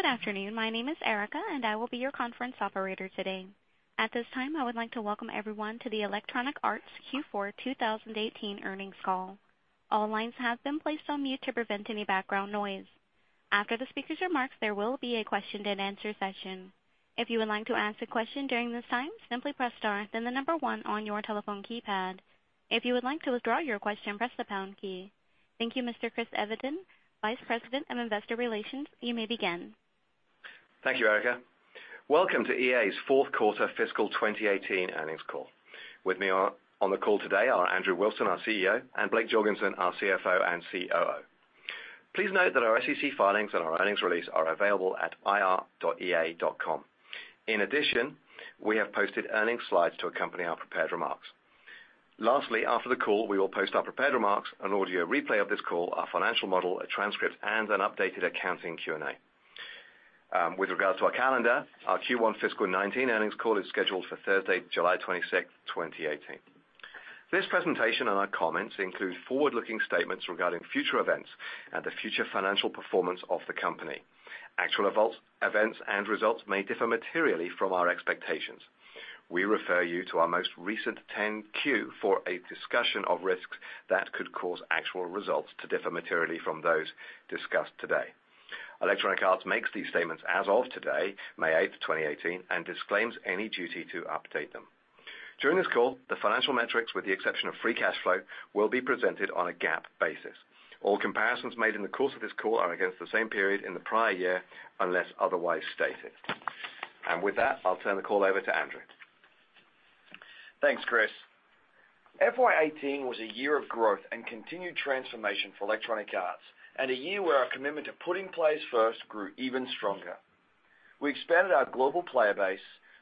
Good afternoon. My name is Erica, and I will be your conference operator today. At this time, I would like to welcome everyone to the Electronic Arts Q4 2018 earnings call. All lines have been placed on mute to prevent any background noise. After the speaker's remarks, there will be a question-and-answer session. If you would like to ask a question during this time, simply press star then the number 1 on your telephone keypad. If you would like to withdraw your question, press the pound key. Thank you, Mr. Chris Evenden, Vice President of Investor Relations. You may begin. Thank you, Erica. Welcome to EA's fourth quarter fiscal 2018 earnings call. With me on the call today are Andrew Wilson, our CEO, and Blake Jorgensen, our CFO and COO. Please note that our SEC filings and our earnings release are available at ir.ea.com. In addition, we have posted earnings slides to accompany our prepared remarks. Lastly, after the call, we will post our prepared remarks, an audio replay of this call, our financial model, a transcript, and an updated accounting Q&A. With regards to our calendar, our Q1 fiscal 2019 earnings call is scheduled for Thursday, July 26, 2018. This presentation and our comments include forward-looking statements regarding future events and the future financial performance of the company. Actual events and results may differ materially from our expectations. We refer you to our most recent 10-Q for a discussion of risks that could cause actual results to differ materially from those discussed today. Electronic Arts makes these statements as of today, May 8, 2018, and disclaims any duty to update them. During this call, the financial metrics, with the exception of free cash flow, will be presented on a GAAP basis. All comparisons made in the course of this call are against the same period in the prior year unless otherwise stated. With that, I'll turn the call over to Andrew. Thanks, Chris. FY 2018 was a year of growth and continued transformation for Electronic Arts and a year where our commitment to putting players first grew even stronger. We expanded our global player base,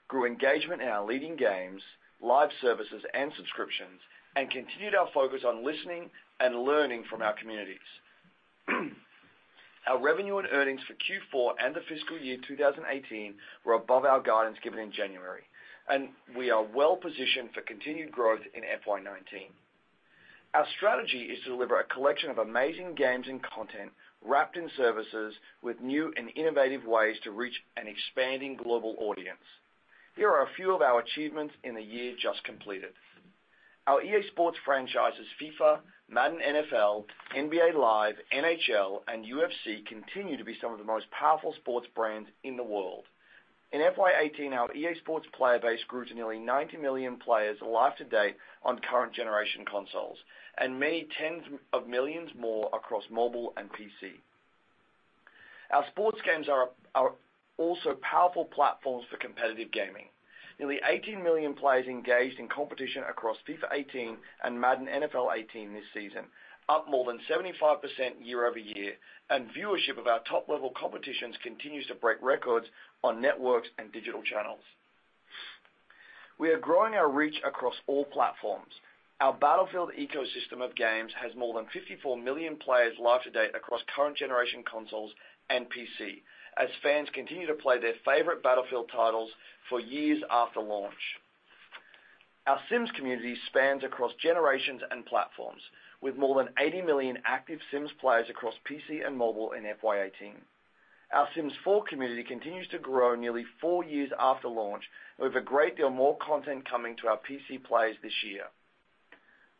grew engagement in our leading games, live services, and subscriptions, and continued our focus on listening and learning from our communities. Our revenue and earnings for Q4 and the fiscal year 2018 were above our guidance given in January, and we are well-positioned for continued growth in FY 2019. Our strategy is to deliver a collection of amazing games and content wrapped in services with new and innovative ways to reach an expanding global audience. Here are a few of our achievements in the year just completed. Our EA Sports franchises, FIFA, Madden NFL, NBA Live, NHL, and UFC continue to be some of the most powerful sports brands in the world. In FY 2018, our EA Sports player base grew to nearly 90 million players life to date on current generation consoles and many tens of millions more across mobile and PC. Our sports games are also powerful platforms for competitive gaming. Nearly 18 million players engaged in competition across FIFA 18 and Madden NFL 18 this season, up more than 75% year-over-year, and viewership of our top-level competitions continues to break records on networks and digital channels. We are growing our reach across all platforms. Our Battlefield ecosystem of games has more than 54 million players live to date across current generation consoles and PC as fans continue to play their favorite Battlefield titles for years after launch. Our Sims community spans across generations and platforms, with more than 80 million active Sims players across PC and mobile in FY 2018. Our Sims 4 community continues to grow nearly four years after launch, with a great deal more content coming to our PC players this year.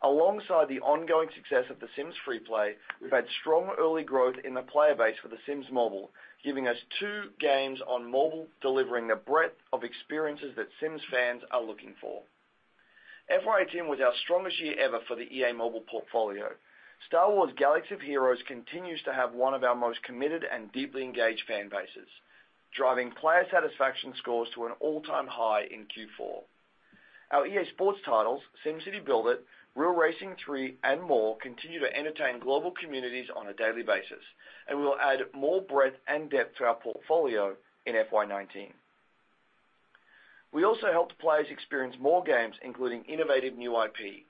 Alongside the ongoing success of The Sims FreePlay, we've had strong early growth in the player base for The Sims Mobile, giving us two games on mobile delivering the breadth of experiences that Sims fans are looking for. FY 2018 was our strongest year ever for the EA Mobile portfolio. Star Wars: Galaxy of Heroes continues to have one of our most committed and deeply engaged fan bases, driving player satisfaction scores to an all-time high in Q4. Our EA Sports titles, SimCity BuildIt, Real Racing 3, and more continue to entertain global communities on a daily basis, and we will add more breadth and depth to our portfolio in FY 2019. We also helped players experience more games, including innovative new IP.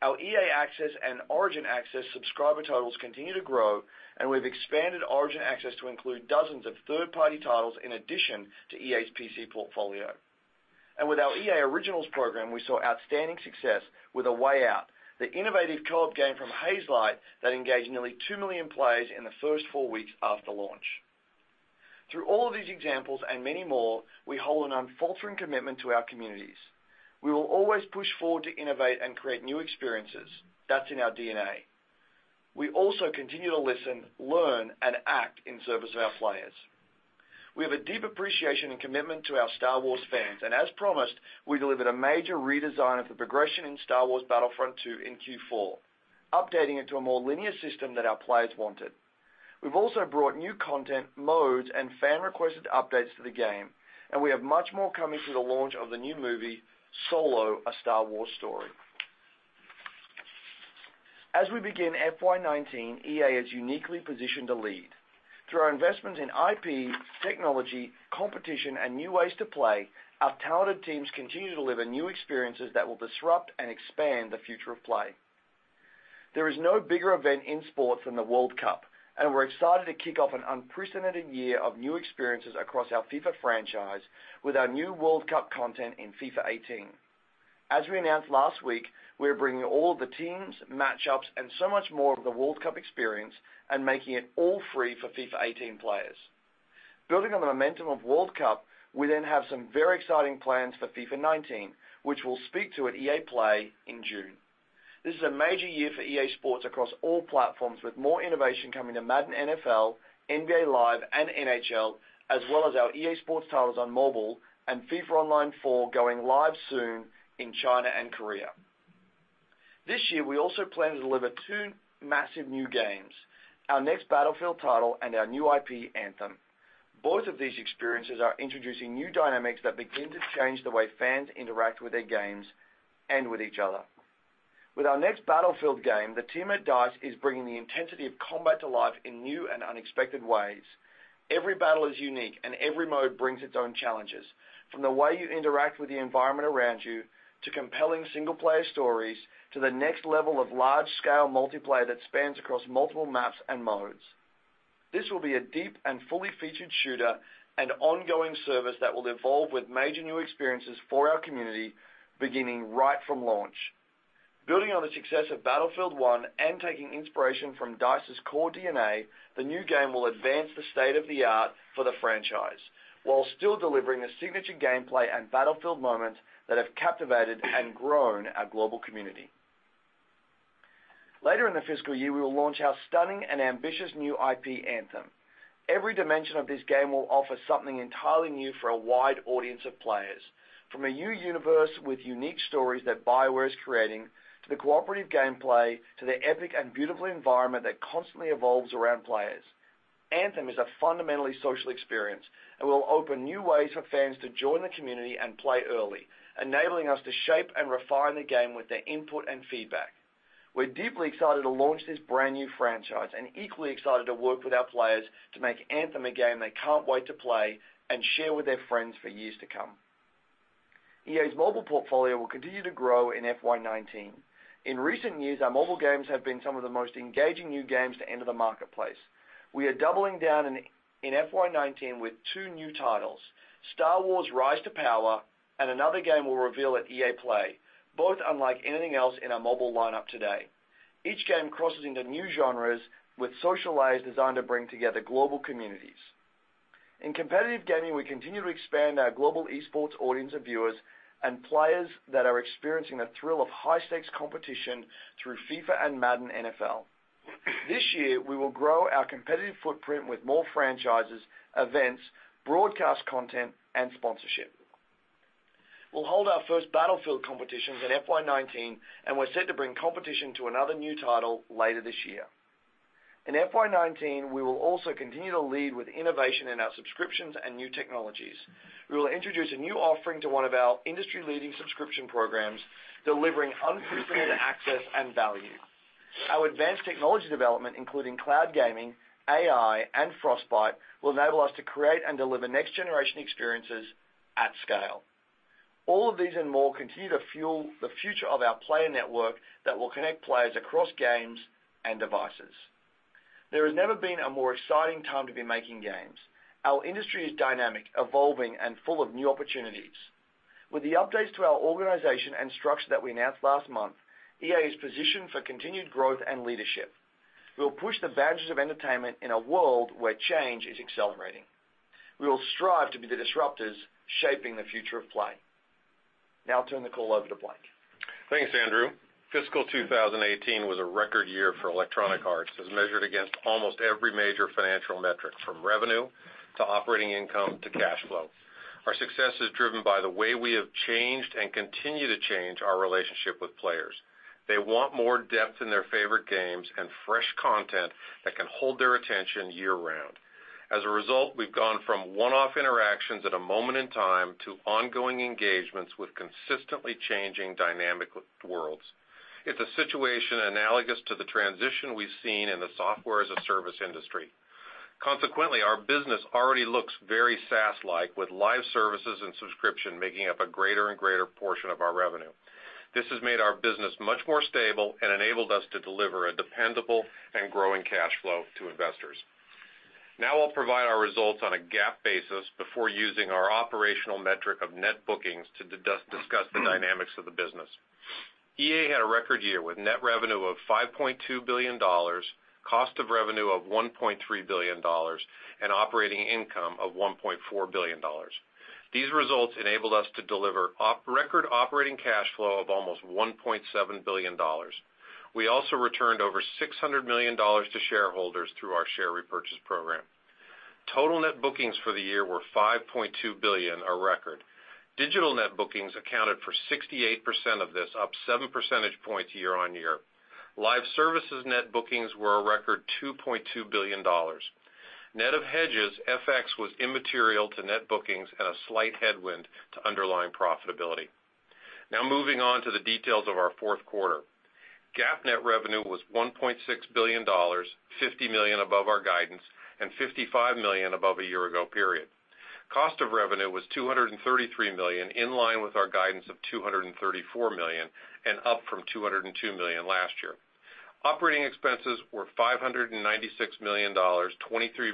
Our EA Access and Origin Access subscriber totals continue to grow, and we've expanded Origin Access to include dozens of third-party titles in addition to EA's PC portfolio. With our EA Originals program, we saw outstanding success with A Way Out, the innovative co-op game from Hazelight that engaged nearly 2 million players in the first four weeks after launch. Through all of these examples and many more, we hold an unfaltering commitment to our communities. We will always push forward to innovate and create new experiences. That's in our DNA. We also continue to listen, learn, and act in service of our players. We have a deep appreciation and commitment to our Star Wars fans. As promised, we delivered a major redesign of the progression in Star Wars Battlefront II in Q4, updating it to a more linear system that our players wanted. We've also brought new content, modes, and fan-requested updates to the game, and we have much more coming through the launch of the new movie, Solo: A Star Wars Story. As we begin FY 2019, EA is uniquely positioned to lead. Through our investments in IP, technology, competition, and new ways to play, our talented teams continue to deliver new experiences that will disrupt and expand the future of play. There is no bigger event in sports than the World Cup, and we're excited to kick off an unprecedented year of new experiences across our FIFA franchise with our new World Cup content in FIFA 18. As we announced last week, we are bringing all of the teams, match-ups, and so much more of the World Cup experience and making it all free for FIFA 18 players. Building on the momentum of World Cup, we then have some very exciting plans for FIFA 19, which we'll speak to at EA Play in June. This is a major year for EA Sports across all platforms, with more innovation coming to Madden NFL, NBA Live, and NHL, as well as our EA Sports titles on mobile and FIFA Online 4 going live soon in China and Korea. This year, we also plan to deliver two massive new games: our next Battlefield title and our new IP, Anthem. Both of these experiences are introducing new dynamics that begin to change the way fans interact with their games and with each other. With our next Battlefield game, the team at DICE is bringing the intensity of combat to life in new and unexpected ways. Every battle is unique, and every mode brings its own challenges, from the way you interact with the environment around you, to compelling single-player stories, to the next level of large-scale multiplayer that spans across multiple maps and modes. This will be a deep and fully featured shooter and ongoing service that will evolve with major new experiences for our community, beginning right from launch. Building on the success of Battlefield 1 and taking inspiration from DICE's core DNA, the new game will advance the state-of-the-art for the franchise, while still delivering the signature gameplay and Battlefield moments that have captivated and grown our global community. Later in the fiscal year, we will launch our stunning and ambitious new IP, Anthem. Every dimension of this game will offer something entirely new for a wide audience of players, from a new universe with unique stories that BioWare is creating, to the cooperative gameplay, to the epic and beautiful environment that constantly evolves around players. Anthem is a fundamentally social experience and will open new ways for fans to join the community and play early, enabling us to shape and refine the game with their input and feedback. We're deeply excited to launch this brand-new franchise and equally excited to work with our players to make Anthem a game they can't wait to play and share with their friends for years to come. EA's mobile portfolio will continue to grow in FY 2019. In recent years, our mobile games have been some of the most engaging new games to enter the marketplace. We are doubling down in FY 2019 with two new titles, Star Wars: Rise to Power and another game we'll reveal at EA Play, both unlike anything else in our mobile lineup today. Each game crosses into new genres with social layers designed to bring together global communities. In competitive gaming, we continue to expand our global esports audience of viewers and players that are experiencing the thrill of high-stakes competition through FIFA and Madden NFL. This year, we will grow our competitive footprint with more franchises, events, broadcast content, and sponsorship. We'll hold our first Battlefield competitions in FY 2019, and we're set to bring competition to another new title later this year. In FY 2019, we will also continue to lead with innovation in our subscriptions and new technologies. We will introduce a new offering to one of our industry-leading subscription programs, delivering unprecedented access and value. Our advanced technology development, including cloud gaming, AI, and Frostbite, will enable us to create and deliver next-generation experiences at scale. All of these and more continue to fuel the future of our player network that will connect players across games and devices. There has never been a more exciting time to be making games. Our industry is dynamic, evolving, and full of new opportunities. With the updates to our organization and structure that we announced last month, EA is positioned for continued growth and leadership. We will push the boundaries of entertainment in a world where change is accelerating. We will strive to be the disruptors shaping the future of play. Now I will turn the call over to Blake. Thanks, Andrew. Fiscal 2018 was a record year for Electronic Arts as measured against almost every major financial metric, from revenue to operating income to cash flow. Our success is driven by the way we have changed and continue to change our relationship with players. They want more depth in their favorite games and fresh content that can hold their attention year-round. As a result, we have gone from one-off interactions at a moment in time to ongoing engagements with consistently changing dynamic worlds. It is a situation analogous to the transition we have seen in the Software as a Service industry. Consequently, our business already looks very SaaS-like, with live services and subscription making up a greater and greater portion of our revenue. This has made our business much more stable and enabled us to deliver a dependable and growing cash flow to investors. Now I will provide our results on a GAAP basis before using our operational metric of net bookings to discuss the dynamics of the business. EA had a record year with net revenue of $5.2 billion, cost of revenue of $1.3 billion, and operating income of $1.4 billion. These results enabled us to deliver record operating cash flow of almost $1.7 billion. We also returned over $600 million to shareholders through our share repurchase program. Total net bookings for the year were $5.2 billion, a record. Digital net bookings accounted for 68% of this, up seven percentage points year-over-year. Live services net bookings were a record $2.2 billion. Net of hedges, FX was immaterial to net bookings and a slight headwind to underlying profitability. Now moving on to the details of our fourth quarter. GAAP net revenue was $1.6 billion, $50 million above our guidance, and $55 million above a year-ago period. Cost of revenue was $233 million, in line with our guidance of $234 million and up from $202 million last year. Operating expenses were $596 million, $23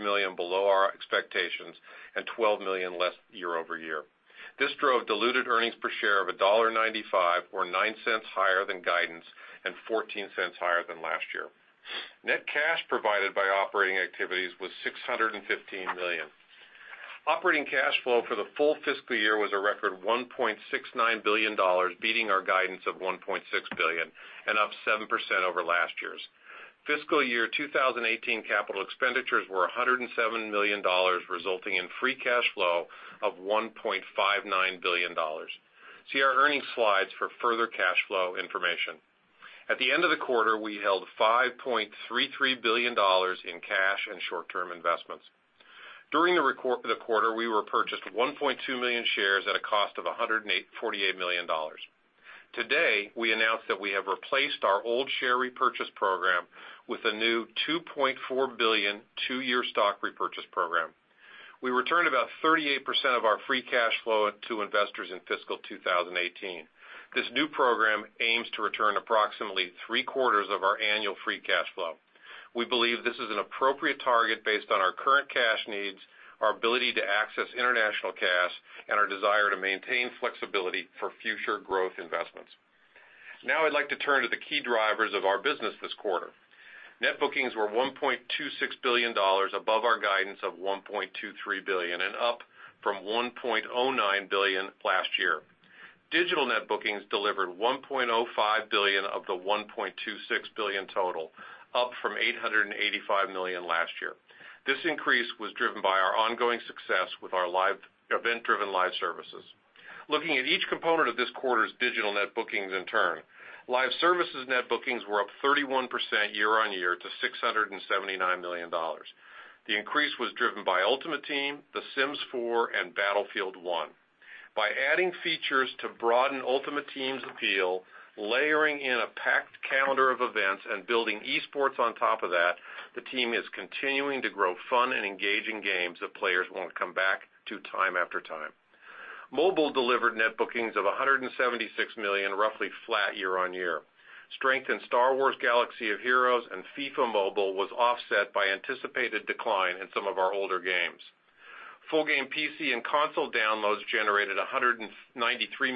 million below our expectations and $12 million less year-over-year. This drove diluted earnings per share of $1.95 or $0.09 higher than guidance and $0.14 higher than last year. Net cash provided by operating activities was $615 million. Operating cash flow for the full fiscal year was a record $1.69 billion, beating our guidance of $1.6 billion and up 7% over last year's. Fiscal year 2018 capital expenditures were $107 million, resulting in free cash flow of $1.59 billion. See our earnings slides for further cash flow information. At the end of the quarter, we held $5.33 billion in cash and short-term investments. During the quarter, we repurchased 1.2 million shares at a cost of $148 million. Today, we announced that we have replaced our old share repurchase program with a new $2.4 billion, two-year stock repurchase program. We returned about 38% of our free cash flow to investors in fiscal 2018. This new program aims to return approximately three-quarters of our annual free cash flow. We believe this is an appropriate target based on our current cash needs, our ability to access international cash, and our desire to maintain flexibility for future growth investments. Now I'd like to turn to the key drivers of our business this quarter. Net bookings were $1.26 billion above our guidance of $1.23 billion and up from $1.09 billion last year. Digital net bookings delivered $1.05 billion of the $1.26 billion total, up from $885 million last year. This increase was driven by our ongoing success with our event-driven live services. Looking at each component of this quarter's digital net bookings in turn, live services net bookings were up 31% year-on-year to $679 million. The increase was driven by Ultimate Team, The Sims 4, and Battlefield 1. By adding features to broaden Ultimate Team's appeal, layering in a packed calendar of events, and building esports on top of that, the team is continuing to grow fun and engaging games that players want to come back to time after time. Mobile delivered net bookings of $176 million, roughly flat year-on-year. Strength in Star Wars: Galaxy of Heroes and FIFA Mobile was offset by anticipated decline in some of our older games. Full game PC and console downloads generated $193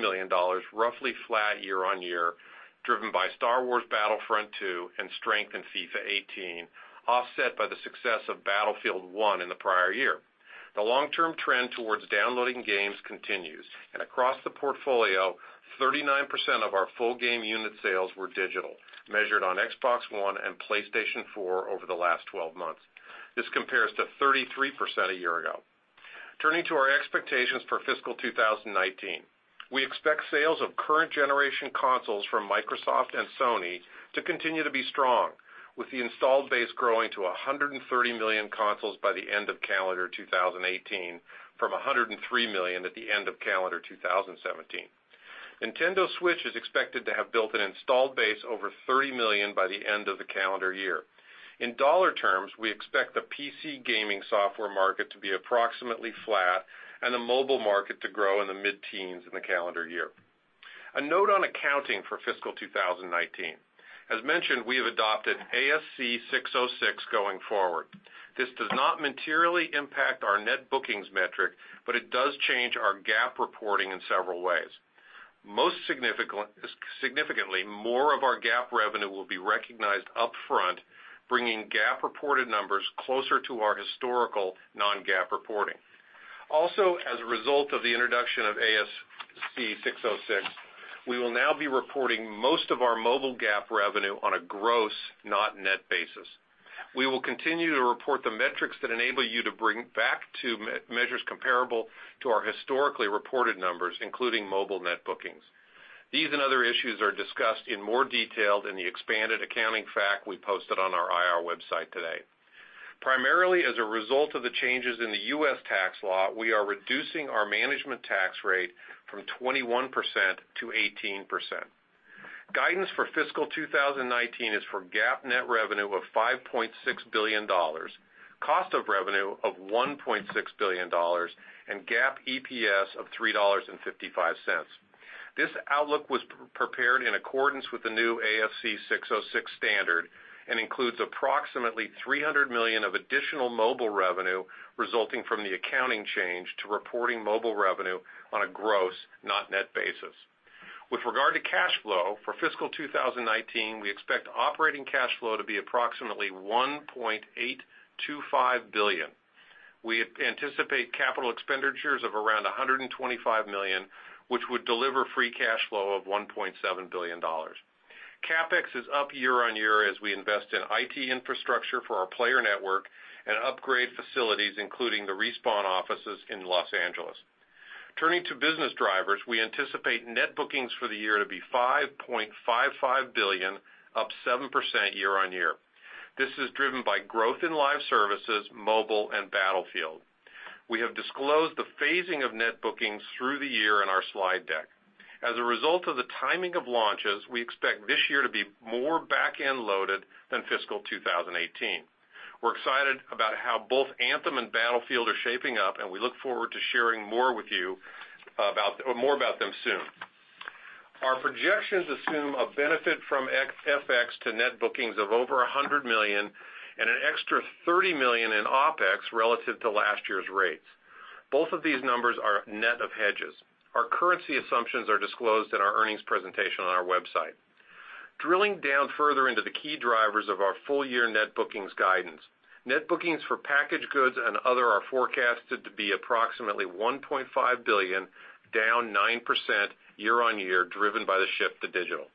million, roughly flat year-on-year, driven by Star Wars Battlefront II and strength in FIFA 18, offset by the success of Battlefield 1 in the prior year. The long-term trend towards downloading games continues and across the portfolio, 39% of our full game unit sales were digital, measured on Xbox One and PlayStation 4 over the last 12 months. This compares to 33% a year ago. Turning to our expectations for fiscal 2019. We expect sales of current generation consoles from Microsoft and Sony to continue to be strong, with the installed base growing to 130 million consoles by the end of calendar 2018 from 103 million at the end of calendar 2017. Nintendo Switch is expected to have built an installed base over 30 million by the end of the calendar year. In dollar terms, we expect the PC gaming software market to be approximately flat and the mobile market to grow in the mid-teens in the calendar year. A note on accounting for fiscal 2019. As mentioned, we have adopted ASC 606 going forward. This does not materially impact our net bookings metric, but it does change our GAAP reporting in several ways. Most significantly, more of our GAAP revenue will be recognized upfront, bringing GAAP-reported numbers closer to our historical non-GAAP reporting. Also, as a result of the introduction of ASC 606, we will now be reporting most of our mobile GAAP revenue on a gross, not net basis. We will continue to report the metrics that enable you to bring back to measures comparable to our historically reported numbers, including mobile net bookings. These and other issues are discussed in more detail in the expanded accounting FAQ we posted on our IR website today. Primarily as a result of the changes in the U.S. tax law, we are reducing our management tax rate from 21% to 18%. Guidance for fiscal 2019 is for GAAP net revenue of $5.6 billion, cost of revenue of $1.6 billion, and GAAP EPS of $3.55. This outlook was prepared in accordance with the new ASC 606 standard and includes approximately $300 million of additional mobile revenue resulting from the accounting change to reporting mobile revenue on a gross, not net basis. With regard to cash flow for fiscal 2019, we expect operating cash flow to be approximately $1.825 billion. We anticipate capital expenditures of around $125 million, which would deliver free cash flow of $1.7 billion. CapEx is up year-on-year as we invest in IT infrastructure for our player network and upgrade facilities, including the Respawn offices in L.A. Turning to business drivers, we anticipate net bookings for the year to be $5.55 billion, up 7% year-on-year. This is driven by growth in live services, mobile, and Battlefield. We have disclosed the phasing of net bookings through the year in our slide deck. As a result of the timing of launches, we expect this year to be more back-end loaded than fiscal 2018. We're excited about how both Anthem and Battlefield are shaping up, and we look forward to sharing more about them soon. Our projections assume a benefit from FX to net bookings of over $100 million and an extra $30 million in OpEx relative to last year's rates. Both of these numbers are net of hedges. Our currency assumptions are disclosed in our earnings presentation on our website. Drilling down further into the key drivers of our full year net bookings guidance. Net bookings for packaged goods and other are forecasted to be approximately $1.5 billion, down 9% year-on-year, driven by the shift to digital.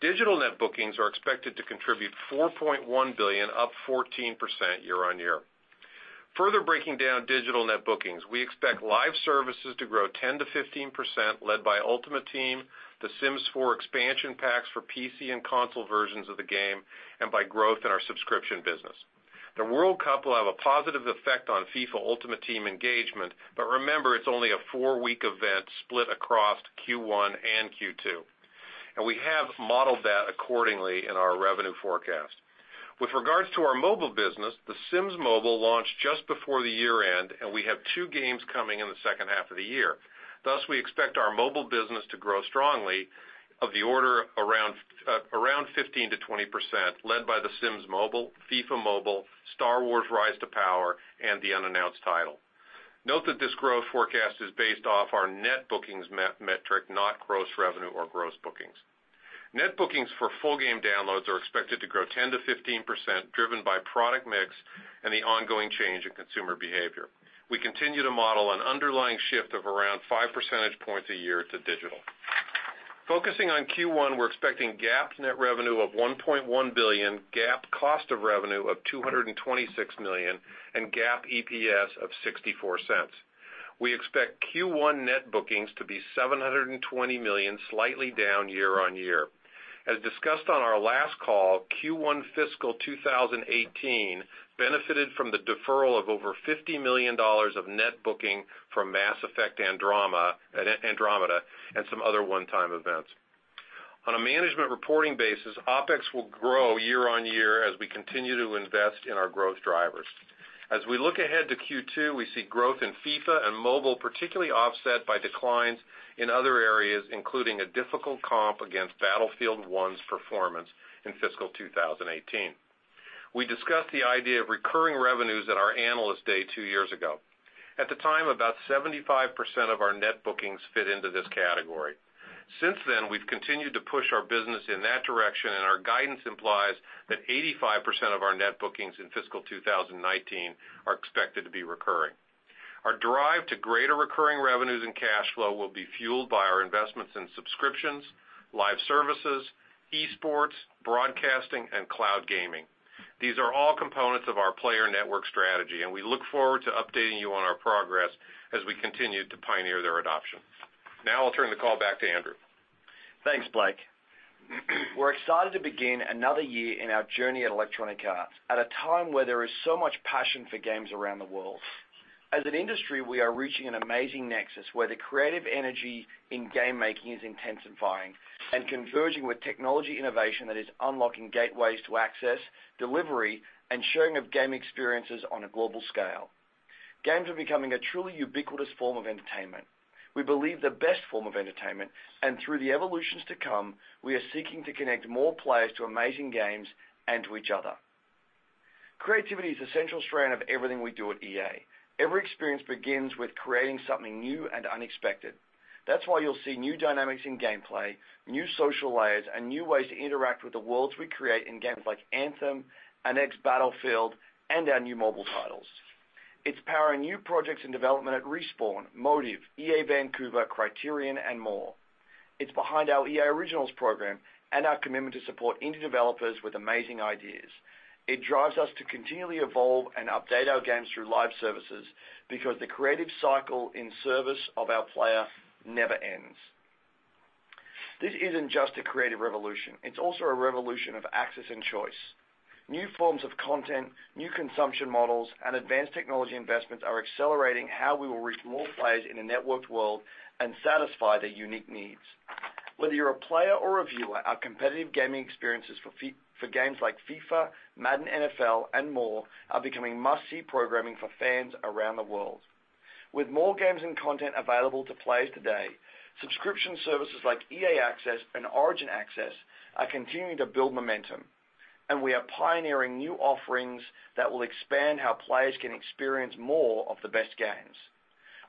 Digital net bookings are expected to contribute $4.1 billion, up 14% year-on-year. Further breaking down digital net bookings, we expect live services to grow 10%-15%, led by Ultimate Team, The Sims 4 expansion packs for PC and console versions of the game, and by growth in our subscription business. The World Cup will have a positive effect on FIFA Ultimate Team engagement. Remember, it's only a four-week event split across Q1 and Q2. We have modeled that accordingly in our revenue forecast. With regards to our mobile business, The Sims Mobile launched just before the year-end, and we have two games coming in the second half of the year. Thus, we expect our mobile business to grow strongly of the order around 15%-20%, led by The Sims Mobile, FIFA Mobile, Star Wars: Rise to Power, and the unannounced title. Note that this growth forecast is based off our net bookings metric, not gross revenue or gross bookings. Net bookings for full game downloads are expected to grow 10%-15%, driven by product mix and the ongoing change in consumer behavior. We continue to model an underlying shift of around five percentage points a year to digital. Focusing on Q1, we're expecting GAAP net revenue of $1.1 billion, GAAP cost of revenue of $226 million, and GAAP EPS of $0.64. We expect Q1 net bookings to be $720 million, slightly down year-on-year. As discussed on our last call, Q1 fiscal 2018 benefited from the deferral of over $50 million of net booking from Mass Effect: Andromeda and some other one-time events. On a management reporting basis, OpEx will grow year-on-year as we continue to invest in our growth drivers. As we look ahead to Q2, we see growth in FIFA and mobile, particularly offset by declines in other areas, including a difficult comp against Battlefield 1's performance in fiscal 2018. We discussed the idea of recurring revenues at our Analyst Day two years ago. At the time, about 75% of our net bookings fit into this category. Our guidance implies that 85% of our net bookings in fiscal 2019 are expected to be recurring. Our drive to greater recurring revenues and cash flow will be fueled by our investments in subscriptions, live services, esports, broadcasting, and cloud gaming. These are all components of our player network strategy. We look forward to updating you on our progress as we continue to pioneer their adoption. Now I'll turn the call back to Andrew. Thanks, Blake. We're excited to begin another year in our journey at Electronic Arts at a time where there is so much passion for games around the world. As an industry, we are reaching an amazing nexus where the creative energy in game making is intensifying and converging with technology innovation that is unlocking gateways to access, delivery, and sharing of game experiences on a global scale. Games are becoming a truly ubiquitous form of entertainment. We believe the best form of entertainment. Through the evolutions to come, we are seeking to connect more players to amazing games and to each other. Creativity is a central strand of everything we do at EA. Every experience begins with creating something new and unexpected. That's why you'll see new dynamics in gameplay, new social layers, and new ways to interact with the worlds we create in games like Anthem, our next Battlefield, and our new mobile titles. It's powering new projects and development at Respawn, Motive, EA Vancouver, Criterion, and more. It's behind our EA Originals program and our commitment to support indie developers with amazing ideas. It drives us to continually evolve and update our games through live services because the creative cycle in service of our player never ends. This isn't just a creative revolution. It's also a revolution of access and choice. New forms of content, new consumption models, and advanced technology investments are accelerating how we will reach more players in a networked world and satisfy their unique needs. Whether you're a player or a viewer, our competitive gaming experiences for games like FIFA, Madden NFL, and more are becoming must-see programming for fans around the world. With more games and content available to players today, subscription services like EA Access and Origin Access are continuing to build momentum, and we are pioneering new offerings that will expand how players can experience more of the best games.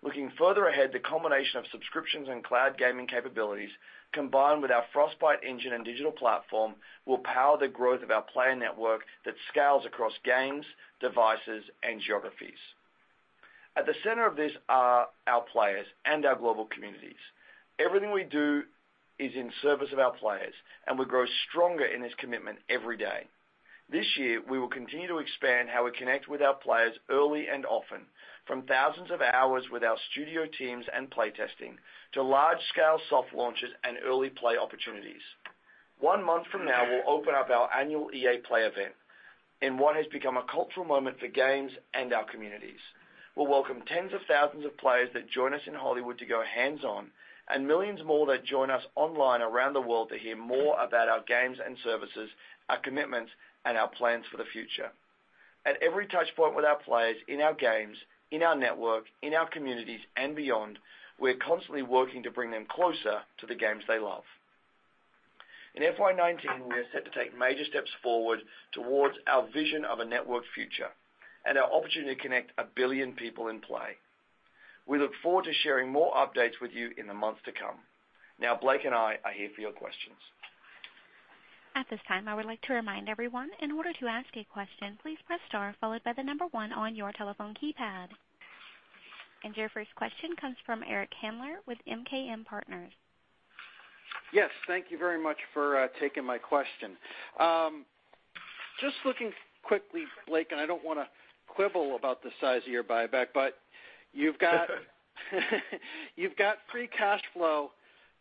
Looking further ahead, the combination of subscriptions and cloud gaming capabilities, combined with our Frostbite engine and digital platform, will power the growth of our player network that scales across games, devices, and geographies. At the center of this are our players and our global communities. Everything we do is in service of our players, and we grow stronger in this commitment every day. This year, we will continue to expand how we connect with our players early and often, from thousands of hours with our studio teams and play testing to large-scale soft launches and early play opportunities. One month from now, we'll open up our annual EA Play event in what has become a cultural moment for games and our communities. We'll welcome tens of thousands of players that join us in Hollywood to go hands-on and millions more that join us online around the world to hear more about our games and services, our commitments, and our plans for the future. At every touch point with our players, in our games, in our network, in our communities and beyond, we're constantly working to bring them closer to the games they love. In FY 2019, we are set to take major steps forward towards our vision of a network future and our opportunity to connect a billion people in play. We look forward to sharing more updates with you in the months to come. Now Blake and I are here for your questions. At this time, I would like to remind everyone, in order to ask a question, please press star followed by the number one on your telephone keypad. Your first question comes from Eric Handler with MKM Partners. Yes. Thank you very much for taking my question. Just looking quickly, Blake, I don't want to quibble about the size of your buyback. You've got free cash flow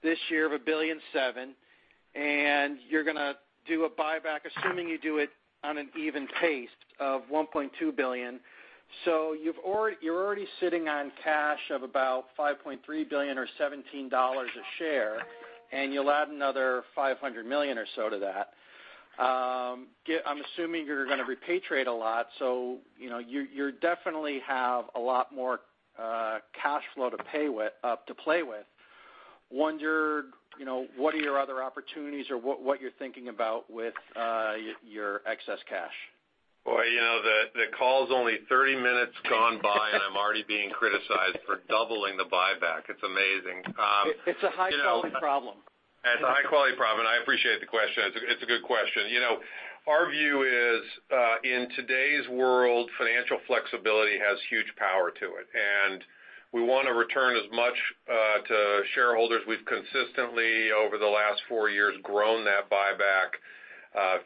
this year of $1.7 billion, you're going to do a buyback, assuming you do it on an even pace, of $1.2 billion. You're already sitting on cash of about $5.3 billion or $17 a share, you'll add another $500 million or so to that. I'm assuming you're going to repatriate a lot, you definitely have a lot more cash flow to play with. Wonder, what are your other opportunities or what you're thinking about with your excess cash? Boy, the call's only 30 minutes gone by, I'm already being criticized for doubling the buyback. It's amazing. It's a high-quality problem. It's a high-quality problem, I appreciate the question. It's a good question. Our view is, in today's world, financial flexibility has huge power to it, we want to return as much to shareholders. We've consistently, over the last four years, grown that buyback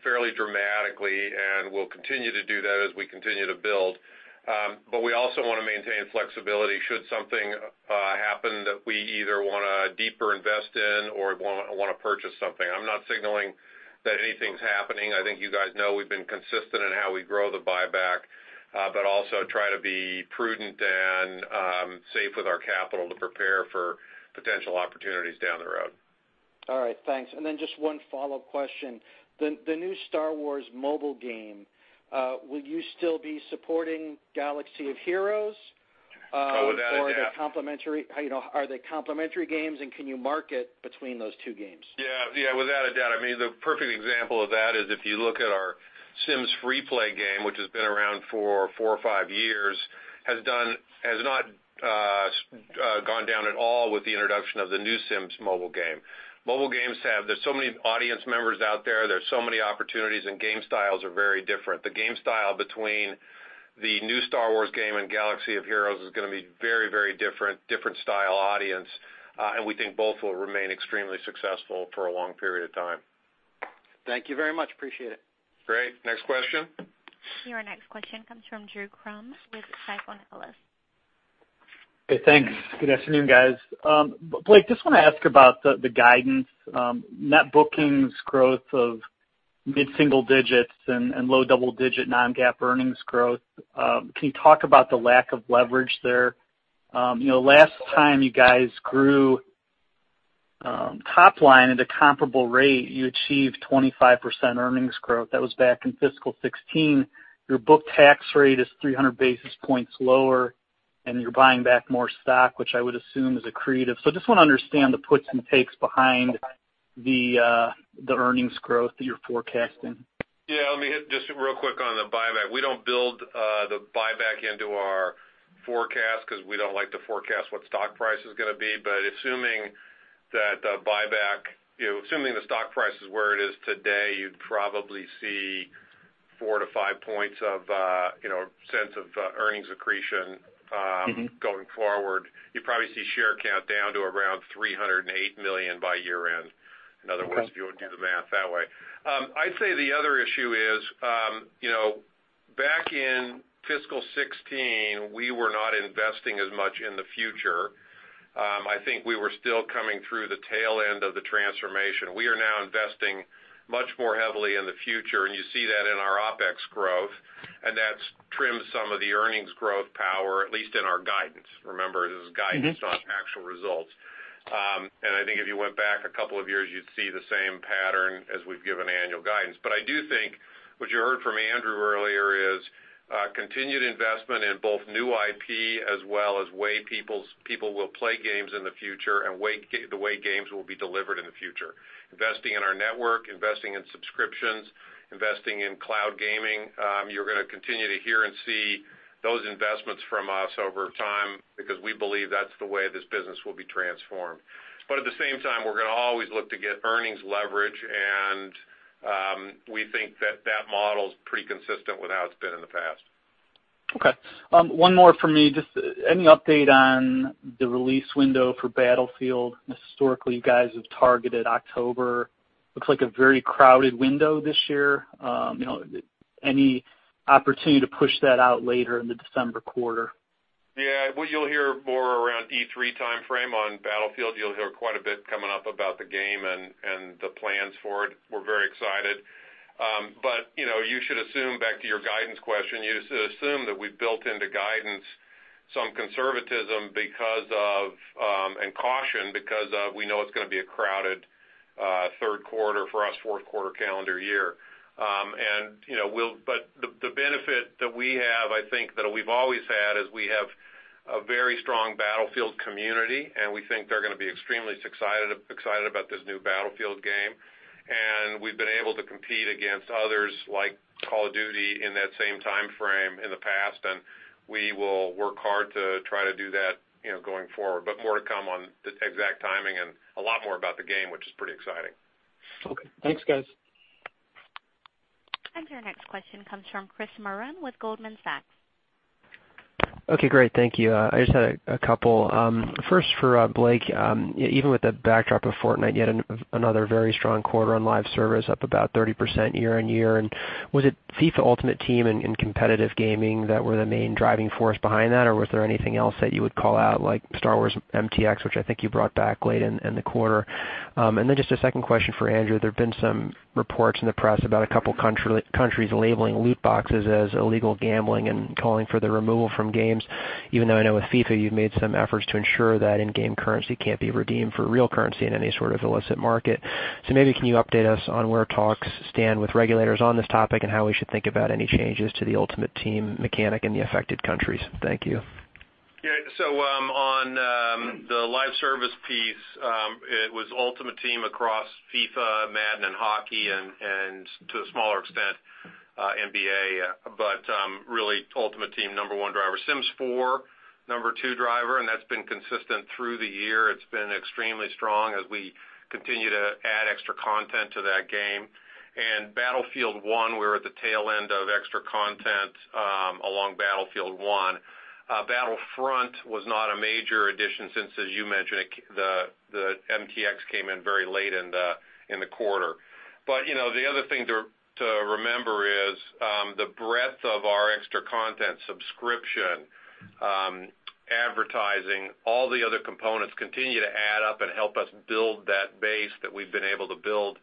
fairly dramatically, we'll continue to do that as we continue to build. We also want to maintain flexibility should something happen that we either want to deeper invest in or want to purchase something. I'm not signaling that anything's happening. I think you guys know we've been consistent in how we grow the buyback, also try to be prudent and safe with our capital to prepare for potential opportunities down the road. All right. Thanks. Just one follow-up question. The new Star Wars mobile game, will you still be supporting Star Wars: Galaxy of Heroes? Oh, without a doubt. Are they complementary games and can you market between those two games? Yeah. Without a doubt. The perfect example of that is if you look at our The Sims FreePlay game, which has been around for four or five years, has not gone down at all with the introduction of The Sims Mobile game. Mobile games, there's so many audience members out there's so many opportunities. Game styles are very different. The game style between the new Star Wars game and Star Wars: Galaxy of Heroes is going to be very different style audience. We think both will remain extremely successful for a long period of time. Thank you very much. Appreciate it. Great. Next question. Your next question comes from Drew Crum with Stifel. Hey, thanks. Good afternoon, guys. Blake, just want to ask about the guidance. Net bookings growth of mid-single digits and low double-digit non-GAAP earnings growth. Can you talk about the lack of leverage there? Last time you guys grew top line at a comparable rate, you achieved 25% earnings growth. That was back in fiscal 2016. Your book tax rate is 300 basis points lower, and you're buying back more stock, which I would assume is accretive. Just want to understand the puts and takes behind the earnings growth that you're forecasting. Yeah. Let me hit just real quick on the buyback. We don't build the buyback into our forecast because we don't like to forecast what stock price is going to be. Assuming the stock price is where it is today, you'd probably see $0.04 to $0.05 of earnings accretion. Going forward. You probably see share count down to around 308 million by year-end. Okay. In other words, if you were to do the math that way. I'd say the other issue is, back in fiscal 2016, we were not investing as much in the future. I think we were still coming through the tail end of the transformation. We are now investing much more heavily in the future, and you see that in our OpEx growth, and that's trimmed some of the earnings growth power, at least in our guidance. Remember, this is guidance. Not actual results. I think if you went back a couple of years, you'd see the same pattern as we've given annual guidance. I do think what you heard from Andrew earlier is continued investment in both new IP as well as way people will play games in the future and the way games will be delivered in the future. Investing in our network, investing in subscriptions, investing in cloud gaming. You're going to continue to hear and see those investments from us over time because we believe that's the way this business will be transformed. At the same time, we're going to always look to get earnings leverage, and we think that that model is pretty consistent with how it's been in the past. Okay. One more from me. Just any update on the release window for Battlefield? Historically, you guys have targeted October. Looks like a very crowded window this year. Any opportunity to push that out later in the December quarter? Yeah. What you'll hear more around E3 timeframe on Battlefield. You'll hear quite a bit coming up about the game and the plans for it. We're very excited. You should assume, back to your guidance question, you assume that we've built into guidance some conservatism and caution because we know it's going to be a crowded third quarter for us, fourth quarter calendar year. The benefit that we have, I think, that we've always had, is we have a very strong Battlefield community, and we think they're going to be extremely excited about this new Battlefield game. We've been able to compete against others like Call of Duty in that same time frame in the past, and we will work hard to try to do that going forward. More to come on the exact timing and a lot more about the game, which is pretty exciting. Okay. Thanks, guys. Your next question comes from Chris Merwin with Goldman Sachs. Okay, great. Thank you. I just had a couple. First for Blake, even with the backdrop of Fortnite, you had another very strong quarter on live service, up about 30% year-over-year. Was it FIFA Ultimate Team and competitive gaming that were the main driving force behind that? Was there anything else that you would call out, like Star Wars MTX, which I think you brought back late in the quarter? Just a second question for Andrew. There have been some reports in the press about a couple countries labeling loot boxes as illegal gambling and calling for the removal from games, even though I know with FIFA, you've made some efforts to ensure that in-game currency can't be redeemed for real currency in any sort of illicit market. Maybe can you update us on where talks stand with regulators on this topic and how we should think about any changes to the Ultimate Team mechanic in the affected countries? Thank you. On the live service piece, it was Ultimate Team across FIFA, Madden, and Hockey, and to a smaller extent, NBA. Really Ultimate Team, number 1 driver. Sims 4, number 2 driver, and that's been consistent through the year. It's been extremely strong as we continue to add extra content to that game. Battlefield 1, we're at the tail end of extra content along Battlefield 1. Battlefront was not a major addition since, as you mentioned, the MTX came in very late in the quarter. The other thing to remember is the breadth of our extra content subscription, advertising, all the other components continue to add up and help us build that base that we've been able to build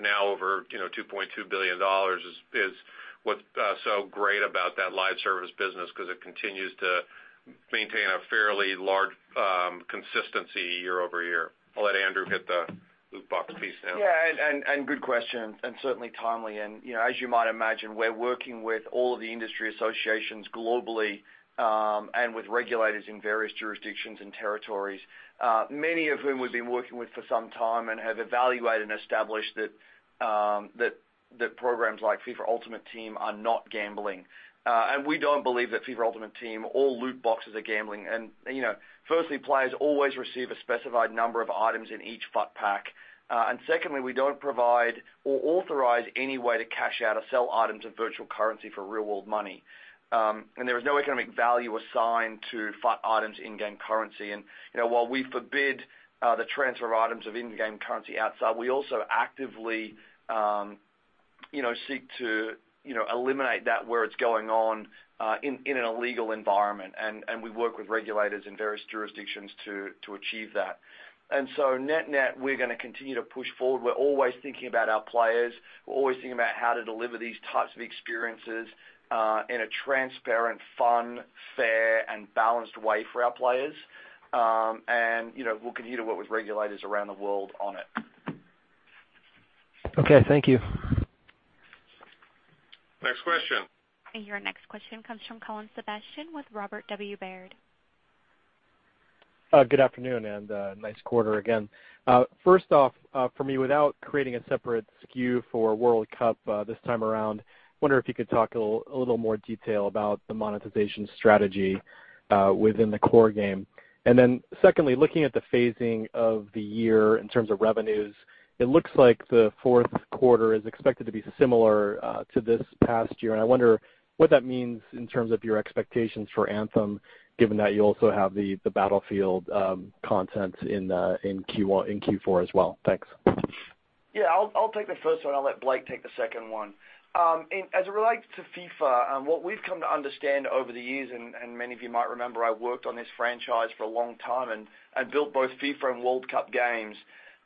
now over $2.2 billion is what's so great about that live service business because it continues to maintain a fairly large consistency year-over-year. I'll let Andrew hit the loot box piece now. Yeah, good question, certainly timely. As you might imagine, we're working with all of the industry associations globally, with regulators in various jurisdictions and territories. Many of whom we've been working with for some time and have evaluated and established that programs like FIFA Ultimate Team are not gambling. We don't believe that FIFA Ultimate Team or loot boxes are gambling. Firstly, players always receive a specified number of items in each FUT pack. Secondly, we don't provide or authorize any way to cash out or sell items of virtual currency for real-world money. There is no economic value assigned to FUT items in-game currency. While we forbid the transfer of items of in-game currency outside, we also actively seek to eliminate that where it's going on in an illegal environment. We work with regulators in various jurisdictions to achieve that. Net-net, we're going to continue to push forward. We're always thinking about our players. We're always thinking about how to deliver these types of experiences in a transparent, fun, fair, and balanced way for our players. We'll continue to work with regulators around the world on it. Okay, thank you. Next question. Your next question comes from Colin Sebastian with Robert W. Baird. Good afternoon, and nice quarter again. First off, for me, without creating a separate SKU for World Cup this time around, I wonder if you could talk a little more detail about the monetization strategy within the core game. Secondly, looking at the phasing of the year in terms of revenues, it looks like the fourth quarter is expected to be similar to this past year. I wonder what that means in terms of your expectations for Anthem, given that you also have the Battlefield content in Q4 as well. Thanks. Yeah, I'll take the first one. I'll let Blake take the second one. It relates to FIFA, what we've come to understand over the years, and many of you might remember, I worked on this franchise for a long time and built both FIFA and World Cup games.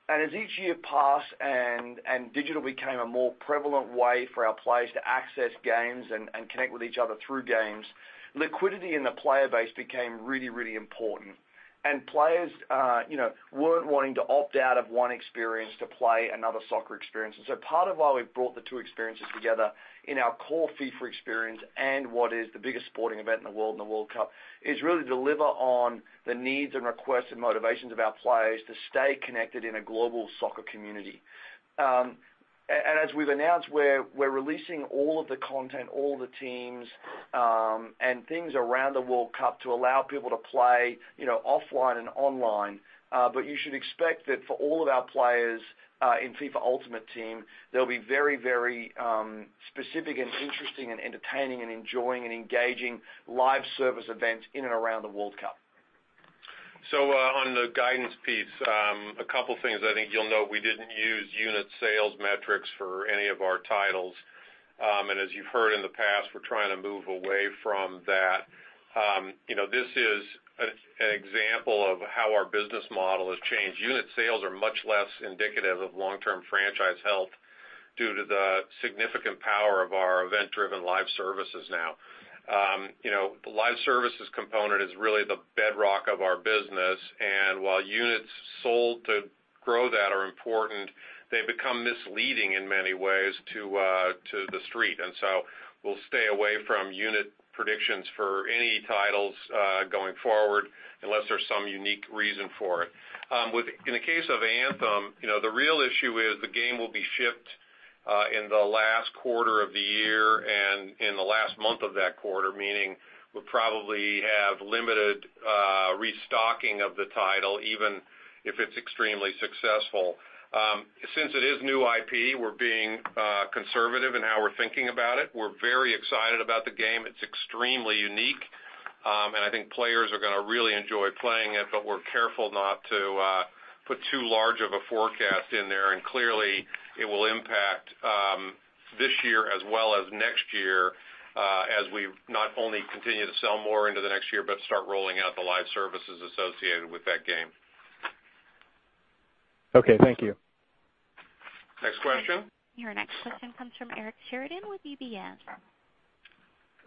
As each year passed and digital became a more prevalent way for our players to access games and connect with each other through games, liquidity in the player base became really important. Players weren't wanting to opt out of one experience to play another soccer experience. Part of why we've brought the two experiences together in our core FIFA experience and what is the biggest sporting event in the world in the World Cup, is really deliver on the needs and requests and motivations of our players to stay connected in a global soccer community. As we've announced, we're releasing all of the content, all the teams, and things around the World Cup to allow people to play offline and online. You should expect that for all of our players in FIFA Ultimate Team, there'll be very specific and interesting and entertaining and enjoying and engaging live service events in and around the World Cup. On the guidance piece, a couple things I think you'll note, we didn't use unit sales metrics for any of our titles. As you've heard in the past, we're trying to move away from that. This is an example of how our business model has changed. Unit sales are much less indicative of long-term franchise health due to the significant power of our event-driven live services now. The live services component is really the bedrock of our business, and while units sold to grow that are important, they become misleading in many ways to the street. We'll stay away from unit predictions for any titles going forward unless there's some unique reason for it. In the case of Anthem, the real issue is the game will be shipped in the last quarter of the year and in the last month of that quarter, meaning we'll probably have limited restocking of the title, even if it's extremely successful. Since it is new IP, we're being conservative in how we're thinking about it. We're very excited about the game. It's extremely unique, and I think players are going to really enjoy playing it, but we're careful not to put too large of a forecast in there. Clearly, it will impact this year as well as next year as we not only continue to sell more into the next year but start rolling out the live services associated with that game. Okay, thank you. Next question. Your next question comes from Eric Sheridan with UBS.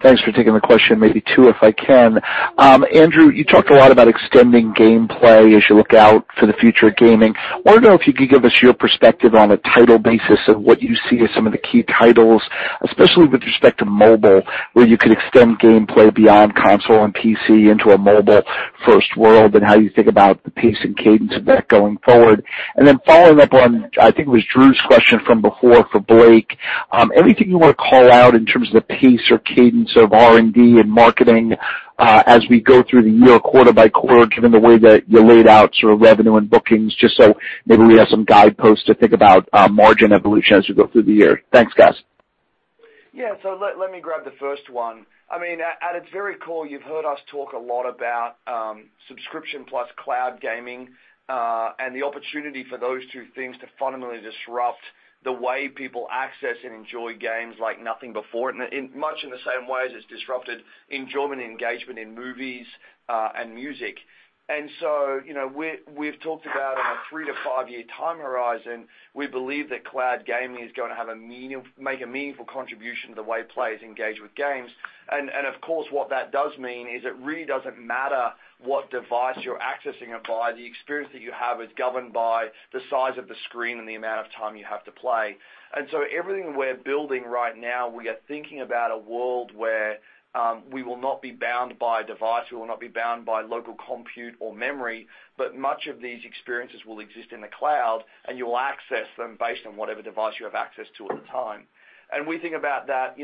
Thanks for taking the question. Maybe two, if I can. Andrew, you talked a lot about extending gameplay as you look out to the future of gaming. I wanted to know if you could give us your perspective on a title basis of what you see as some of the key titles, especially with respect to mobile, where you could extend gameplay beyond console and PC into a mobile-first world, and how you think about the pace and cadence of that going forward. Following up on, I think it was Drew's question from before for Blake, anything you want to call out in terms of the pace or cadence of R&D and marketing as we go through the year quarter by quarter, given the way that you laid out sort of revenue and bookings, just so maybe we have some guideposts to think about margin evolution as we go through the year. Thanks, guys. Yeah. Let me grab the first one. I mean, at its very core, you've heard us talk a lot about subscription plus cloud gaming, and the opportunity for those two things to fundamentally disrupt the way people access and enjoy games like nothing before, much in the same way as it's disrupted enjoyment and engagement in movies and music. We've talked about on a three to five-year time horizon, we believe that cloud gaming is going to make a meaningful contribution to the way players engage with games. Of course, what that does mean is it really doesn't matter what device you're accessing it by. The experience that you have is governed by the size of the screen and the amount of time you have to play. Everything we're building right now, we are thinking about a world where we will not be bound by device, we will not be bound by local compute or memory, but much of these experiences will exist in the cloud, and you'll access them based on whatever device you have access to at the time. We think about that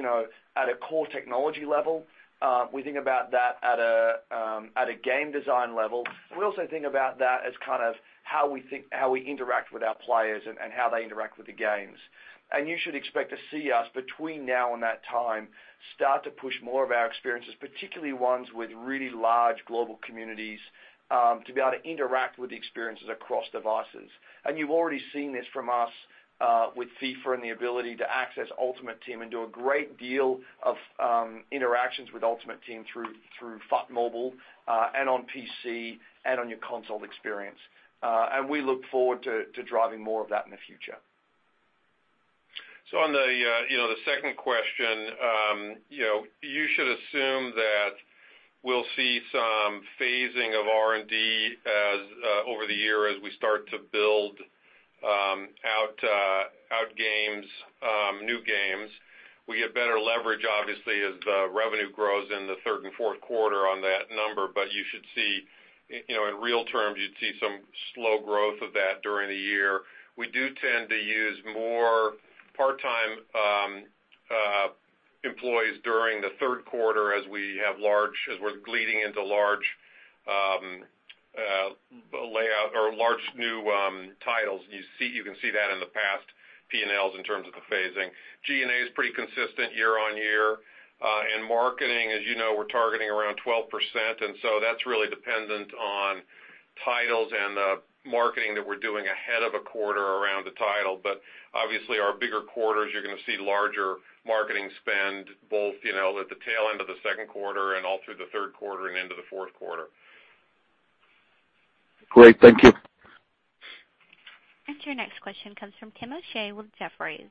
at a core technology level. We think about that at a game design level. We also think about that as kind of how we interact with our players and how they interact with the games. You should expect to see us between now and that time start to push more of our experiences, particularly ones with really large global communities, to be able to interact with the experiences across devices. You've already seen this from us with FIFA and the ability to access Ultimate Team and do a great deal of interactions with Ultimate Team through FUT Mobile and on PC and on your console experience. We look forward to driving more of that in the future. On the second question, you should assume that we'll see some phasing of R&D over the year as we start to build out new games. We get better leverage, obviously, as the revenue grows in the third and fourth quarter on that number. You should see in real terms, you'd see some slow growth of that during the year. We do tend to use more part-time employees during the third quarter as we're leading into large new titles. You can see that in the past P&Ls in terms of the phasing. G&A is pretty consistent year-on-year. Marketing, as you know, we're targeting around 12%, that's really dependent on titles and the marketing that we're doing ahead of a quarter around a title. Obviously our bigger quarters, you're going to see larger marketing spend, both at the tail end of the second quarter and all through the third quarter and into the fourth quarter. Great. Thank you. Your next question comes from Timothy O'Shea with Jefferies.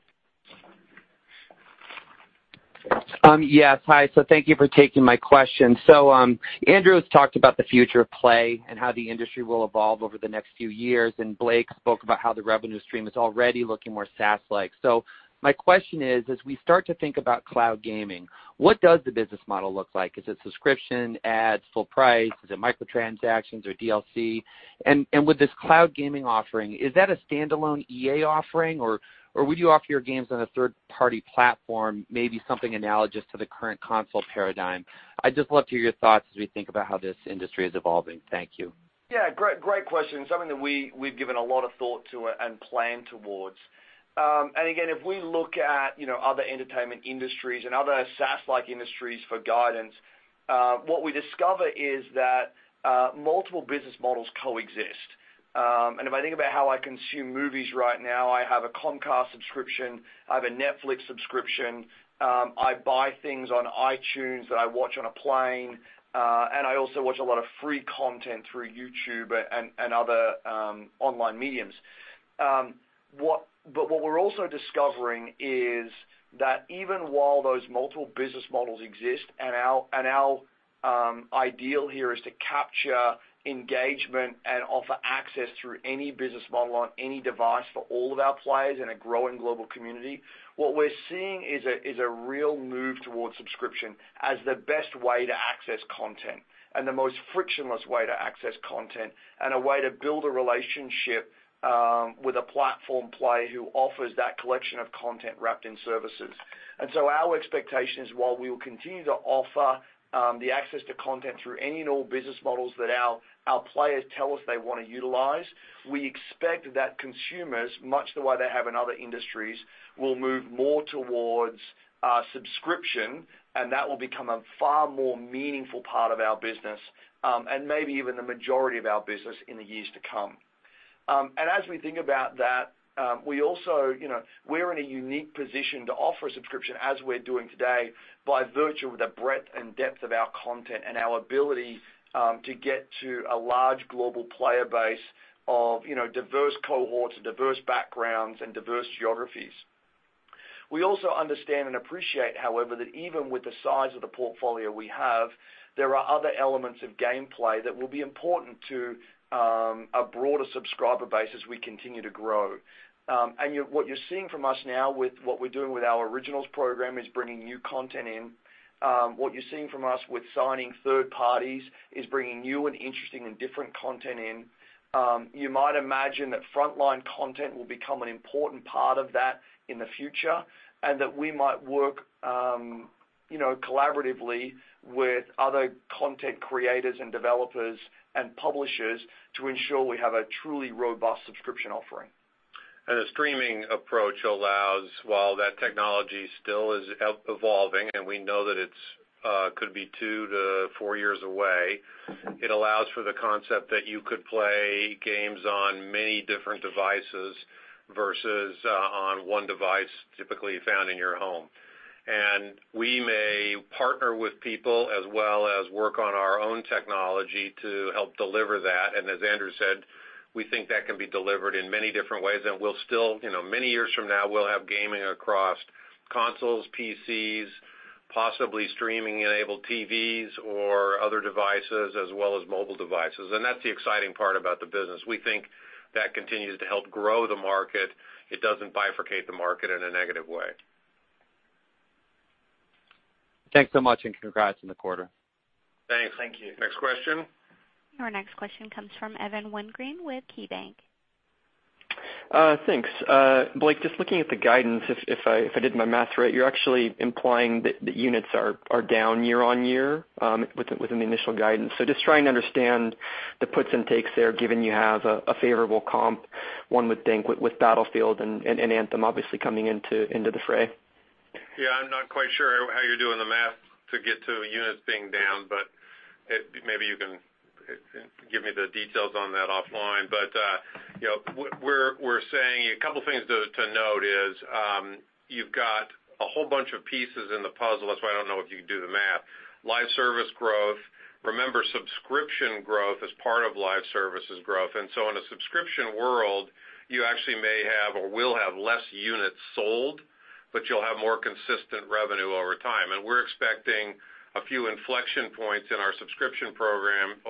Thank you for taking my question. Andrew's talked about the future of play and how the industry will evolve over the next few years, Blake spoke about how the revenue stream is already looking more SaaS-like. My question is: as we start to think about cloud gaming, what does the business model look like? Is it subscription, ads, full price? Is it microtransactions or DLC? With this cloud gaming offering, is that a standalone EA offering, or would you offer your games on a third-party platform, maybe something analogous to the current console paradigm? I'd just love to hear your thoughts as we think about how this industry is evolving. Thank you. Great question. Something that we've given a lot of thought to and plan towards. Again, if we look at other entertainment industries and other SaaS-like industries for guidance, what we discover is that multiple business models coexist. If I think about how I consume movies right now, I have a Comcast subscription, I have a Netflix subscription, I buy things on iTunes that I watch on a plane, and I also watch a lot of free content through YouTube and other online mediums. What we're also discovering is that even while those multiple business models exist and our ideal here is to capture engagement and offer access through any business model on any device for all of our players in a growing global community. What we're seeing is a real move towards subscription as the best way to access content and the most frictionless way to access content and a way to build a relationship with a platform player who offers that collection of content wrapped in services. Our expectation is, while we will continue to offer the access to content through any and all business models that our players tell us they want to utilize, we expect that consumers, much the way they have in other industries, will move more towards a subscription, and that will become a far more meaningful part of our business, and maybe even the majority of our business in the years to come. As we think about that, we're in a unique position to offer a subscription as we're doing today by virtue of the breadth and depth of our content and our ability to get to a large global player base of diverse cohorts and diverse backgrounds and diverse geographies. We also understand and appreciate, however, that even with the size of the portfolio we have, there are other elements of gameplay that will be important to a broader subscriber base as we continue to grow. What you're seeing from us now with what we're doing with our Originals program is bringing new content in. What you're seeing from us with signing third parties is bringing new and interesting and different content in. You might imagine that frontline content will become an important part of that in the future, and that we might work collaboratively with other content creators and developers and publishers to ensure we have a truly robust subscription offering. The streaming approach allows, while that technology still is evolving and we know that it could be two to four years away, it allows for the concept that you could play games on many different devices versus on one device typically found in your home. We may partner with people as well as work on our own technology to help deliver that. As Andrew said, we think that can be delivered in many different ways, and many years from now, we'll have gaming across consoles, PCs, possibly streaming-enabled TVs or other devices as well as mobile devices. That's the exciting part about the business. We think that continues to help grow the market. It doesn't bifurcate the market in a negative way. Thanks so much, congrats on the quarter. Thanks. Thank you. Next question. Our next question comes from Evan Wingren with KeyBanc. Thanks. Blake, just looking at the guidance, if I did my math right, you're actually implying that the units are down year-over-year within the initial guidance. Just trying to understand the puts and takes there, given you have a favorable comp, one would think, with Battlefield and Anthem obviously coming into the fray. Yeah, I'm not quite sure how you're doing the math to get to units being down, maybe you can give me the details on that offline. A couple of things to note is, you've got a whole bunch of pieces in the puzzle. That's why I don't know if you can do the math. Live service growth. Remember, subscription growth is part of live services growth. In a subscription world, you actually may have or will have less units sold, but you'll have more consistent revenue over time. We're expecting a few inflection points in our subscription programs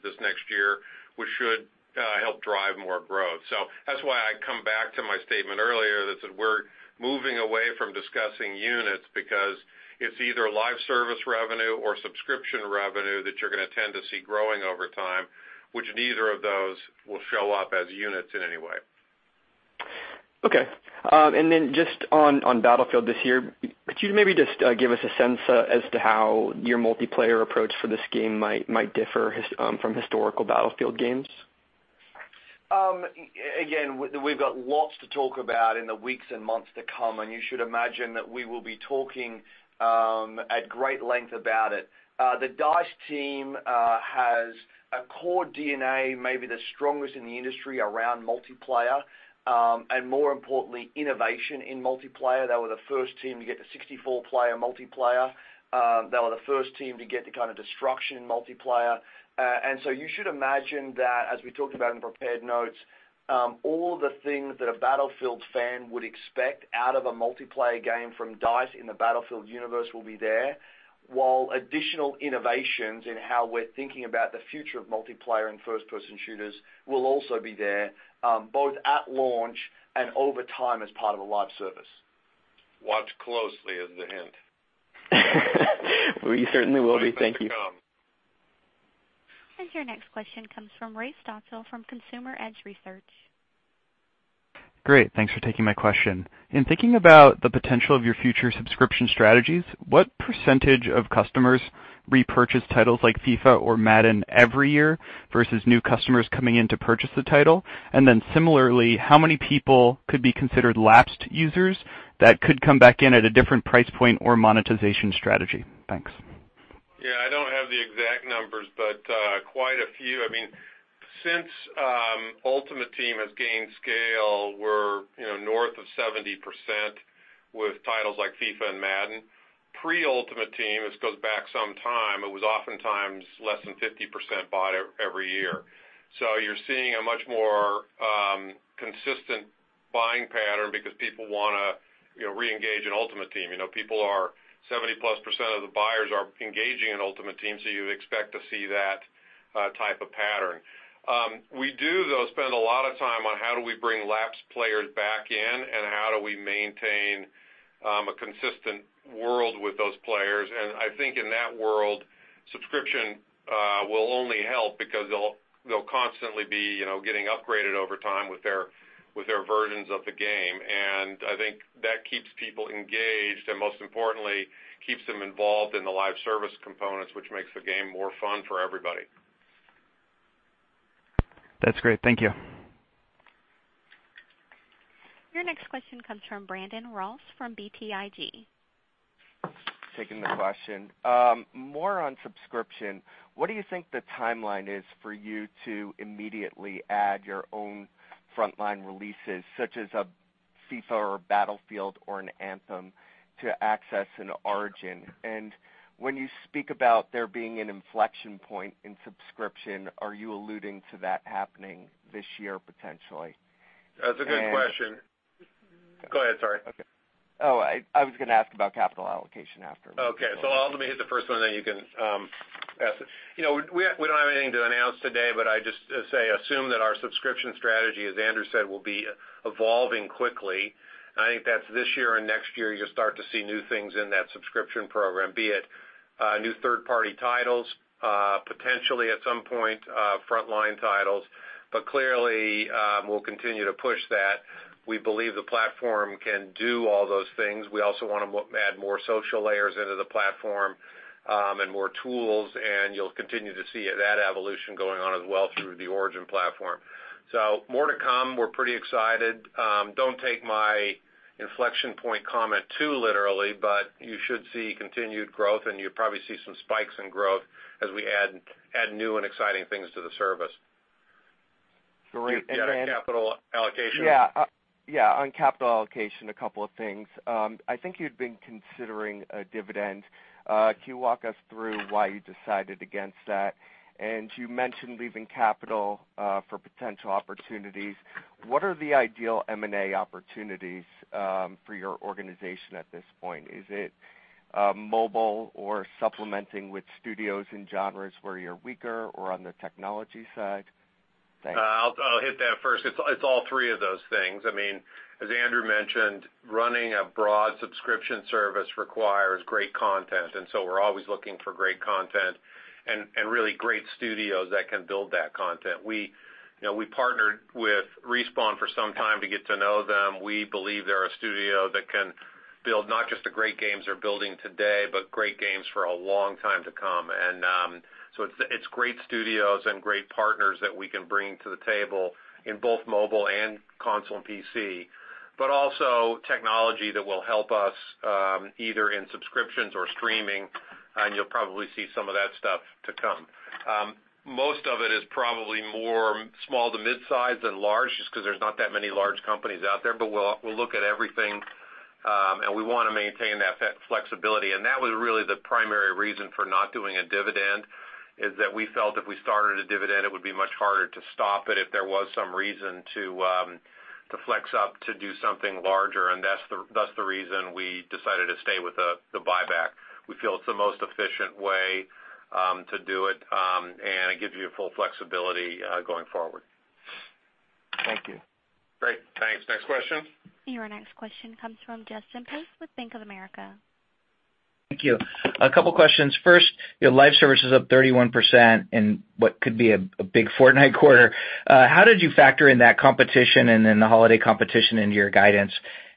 this next year, which should help drive more growth. That's why I come back to my statement earlier that said we're moving away from discussing units because it's either live service revenue or subscription revenue that you're going to tend to see growing over time, which neither of those will show up as units in any way. Okay. Just on Battlefield this year, could you maybe just give us a sense as to how your multiplayer approach for this game might differ from historical Battlefield games? Again, we've got lots to talk about in the weeks and months to come. You should imagine that we will be talking at great length about it. The DICE team has a core DNA, maybe the strongest in the industry around multiplayer. More importantly, innovation in multiplayer. They were the first team to get to 64-player multiplayer. They were the first team to get the kind of destruction in multiplayer. You should imagine that as we talked about in prepared notes, all the things that a Battlefield fan would expect out of a multiplayer game from DICE in the Battlefield universe will be there, while additional innovations in how we're thinking about the future of multiplayer and first-person shooters will also be there both at launch and over time as part of a live service. Watch closely is the hint. We certainly will be. Thank you. Wait and see. Your next question comes from Ray Stochel from Consumer Edge Research. Great. Thanks for taking my question. In thinking about the potential of your future subscription strategies, what percentage of customers repurchase titles like FIFA or Madden every year versus new customers coming in to purchase the title? Similarly, how many people could be considered lapsed users that could come back in at a different price point or monetization strategy? Thanks. Yeah, I don't have the exact numbers, but quite a few. Since Ultimate Team has gained scale, we're north of 70% with titles like FIFA and Madden. Pre-Ultimate Team, this goes back some time, it was oftentimes less than 50% bought every year. You're seeing a much more consistent buying pattern because people want to reengage in Ultimate Team. 70-plus% of the buyers are engaging in Ultimate Team, you would expect to see that type of pattern. We do, though, spend a lot of time on how do we bring lapsed players back in and how do we maintain a consistent world with those players. I think in that world, subscription will only help because they'll constantly be getting upgraded over time with their versions of the game. I think that keeps people engaged, and most importantly, keeps them involved in the live service components, which makes the game more fun for everybody. That's great. Thank you. Your next question comes from Brandon Ross from BTIG. Taking the question. More on subscription, what do you think the timeline is for you to immediately add your own frontline releases, such as a FIFA or Battlefield or an Anthem, to Access in Origin? When you speak about there being an inflection point in subscription, are you alluding to that happening this year potentially? That's a good question. Go ahead, sorry. Okay. Oh, I was going to ask about capital allocation after. Okay. I'll let me hit the first one, then you can ask. We don't have anything to announce today, I just say assume that our subscription strategy, as Andrew said, will be evolving quickly. I think that's this year and next year, you'll start to see new things in that subscription program, be it new third-party titles, potentially at some point, frontline titles. Clearly, we'll continue to push that. We believe the platform can do all those things. We also want to add more social layers into the platform and more tools, you'll continue to see that evolution going on as well through the Origin platform. More to come. We're pretty excited. Don't take my inflection point comment too literally, you should see continued growth and you'll probably see some spikes in growth as we add new and exciting things to the service. Great. Did you get a capital allocation? Yeah. On capital allocation, a couple of things. I think you'd been considering a dividend. Can you walk us through why you decided against that? You mentioned leaving capital for potential opportunities. What are the ideal M&A opportunities for your organization at this point? Is it mobile or supplementing with studios and genres where you're weaker or on the technology side? Thanks. I'll hit that first. It's all three of those things. As Andrew mentioned, running a broad subscription service requires great content, and so we're always looking for great content and really great studios that can build that content. We partnered with Respawn for some time to get to know them. We believe they're a studio that can build not just the great games they're building today, but great games for a long time to come. It's great studios and great partners that we can bring to the table in both mobile and console and PC, but also technology that will help us either in subscriptions or streaming, and you'll probably see some of that stuff to come. Most of it is probably more small to mid-size than large, just because there's not that many large companies out there, but we'll look at everything, and we want to maintain that flexibility. That was really the primary reason for not doing a dividend, is that we felt if we started a dividend, it would be much harder to stop it if there was some reason to flex up to do something larger, and that's the reason we decided to stay with the buyback. We feel it's the most efficient way to do it, and it gives you full flexibility going forward. Thank you. Great. Thanks. Next question. Your next question comes from Justin Post with Bank of America. Thank you. A couple questions. First, your live service is up 31% in what could be a big Fortnite quarter. How did you factor in that competition and then the holiday competition into your guidance?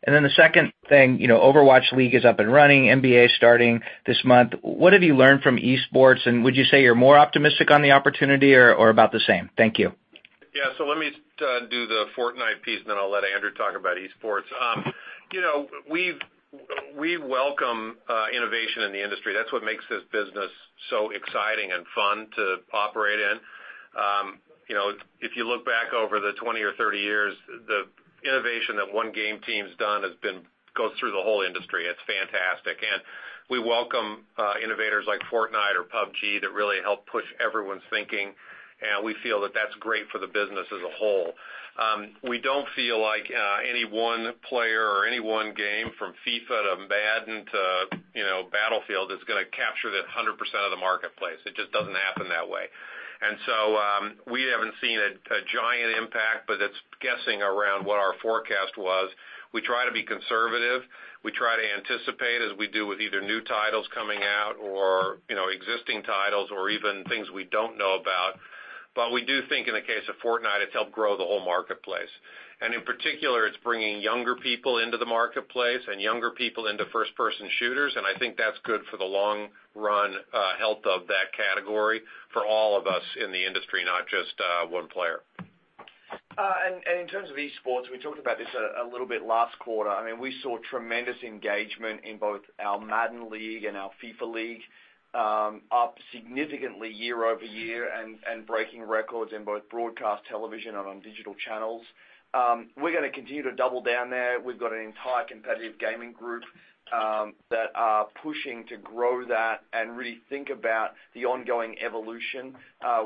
The second thing, Overwatch League is up and running, NBA starting this month. What have you learned from esports, and would you say you're more optimistic on the opportunity or about the same? Thank you. Yeah. Let me do the Fortnite piece, then I'll let Andrew talk about esports. We welcome innovation in the industry. That's what makes this business so exciting and fun to operate in. If you look back over the 20 or 30 years, the innovation that one game team's done goes through the whole industry. It's fantastic. We welcome innovators like Fortnite or PUBG that really help push everyone's thinking, and we feel that that's great for the business as a whole. We don't feel like any one player or any one game from FIFA to Madden to Battlefield is going to capture the 100% of the marketplace. It just doesn't happen that way. We haven't seen a giant impact, but it's guessing around what our forecast was. We try to be conservative. We try to anticipate as we do with either new titles coming out or existing titles or even things we don't know about. We do think in the case of Fortnite, it's helped grow the whole marketplace. In particular, it's bringing younger people into the marketplace and younger people into first-person shooters, and I think that's good for the long-run health of that category for all of us in the industry, not just one player. In terms of esports, we talked about this a little bit last quarter. We saw tremendous engagement in both our Madden League and our FIFA League, up significantly year-over-year and breaking records in both broadcast television and on digital channels. We're going to continue to double down there. We've got an entire competitive gaming group that are pushing to grow that and really think about the ongoing evolution.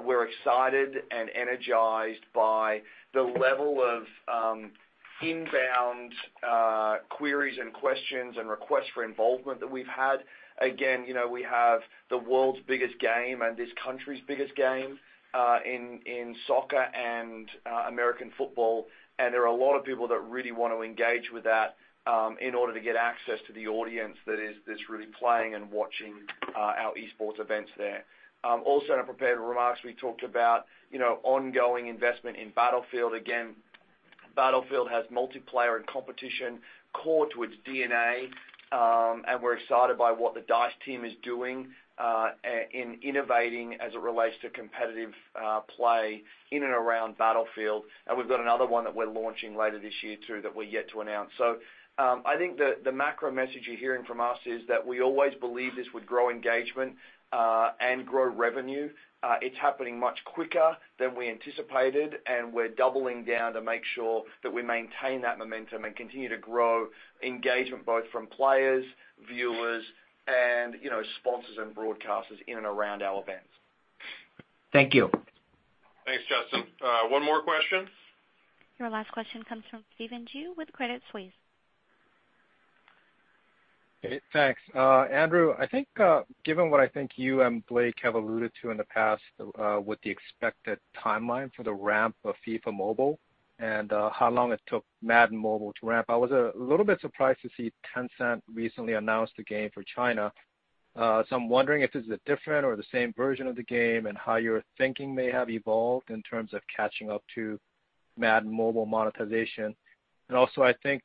We're excited and energized by the level of inbound queries and questions and requests for involvement that we've had. Again, we have the world's biggest game and this country's biggest game in soccer and American football, and there are a lot of people that really want to engage with that in order to get access to the audience that is really playing and watching our esports events there. Also in our prepared remarks, we talked about ongoing investment in Battlefield. Again, Battlefield has multiplayer and competition core to its DNA, and we're excited by what the DICE team is doing in innovating as it relates to competitive play in and around Battlefield. We've got another one that we're launching later this year, too, that we're yet to announce. I think the macro message you're hearing from us is that we always believed this would grow engagement and grow revenue. It's happening much quicker than we anticipated, and we're doubling down to make sure that we maintain that momentum and continue to grow engagement, both from players, viewers, and sponsors and broadcasters in and around our events. Thank you. Thanks, Justin. One more question. Your last question comes from Stephen Ju with Credit Suisse. Hey, thanks. Andrew, I think given what I think you and Blake have alluded to in the past with the expected timeline for the ramp of FIFA Mobile and how long it took Madden Mobile to ramp, I was a little bit surprised to see Tencent recently announce the game for China. I'm wondering if this is a different or the same version of the game and how your thinking may have evolved in terms of catching up to Madden Mobile monetization. I think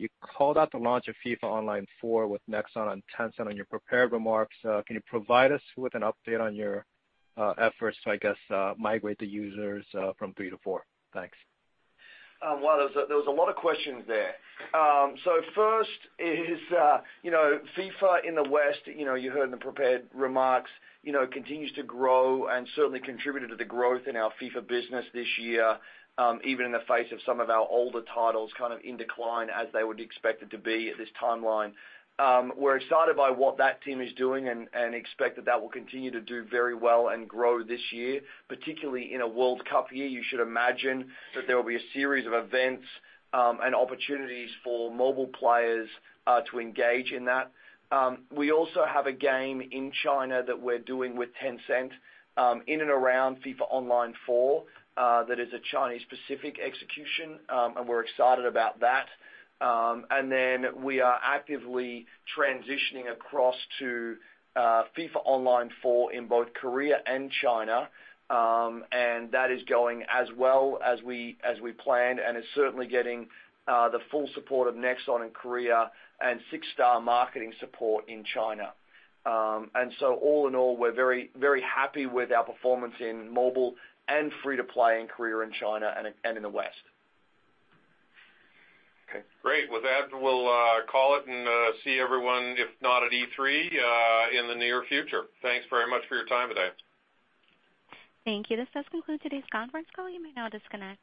you called out the launch of FIFA Online 4 with Nexon on Tencent in your prepared remarks. Can you provide us with an update on your efforts to, I guess, migrate the users from three to four? Thanks. Well, there was a lot of questions there. First is FIFA in the West, you heard in the prepared remarks, continues to grow and certainly contributed to the growth in our FIFA business this year, even in the face of some of our older titles kind of in decline as they would be expected to be at this timeline. We're excited by what that team is doing and expect that that will continue to do very well and grow this year, particularly in a World Cup year. You should imagine that there will be a series of events and opportunities for mobile players to engage in that. We also have a game in China that we're doing with Tencent in and around FIFA Online 4 that is a Chinese-specific execution, we're excited about that. We are actively transitioning across to FIFA Online 4 in both Korea and China, and that is going as well as we planned and is certainly getting the full support of Nexon in Korea and six-star marketing support in China. All in all, we're very happy with our performance in mobile and free-to-play in Korea and China and in the West. Okay, great. With that, we'll call it and see everyone, if not at E3, in the near future. Thanks very much for your time today. Thank you. This does conclude today's conference call. You may now disconnect.